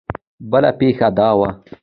بله پېښه دا وه.